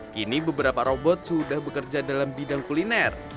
kini beberapa robot sudah bekerja dalam bidang kuliner